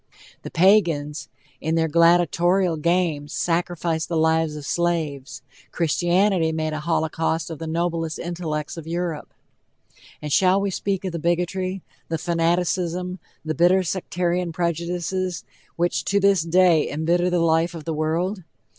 The Pagans, in their gladitorial games, sacrificed the lives of slaves: Christianity made a holocaust of the noblest intellects of Europe. And shall we speak of the bigotry, the fanaticism, the bitter sectarian prejudices which to this day embitter the life of the world?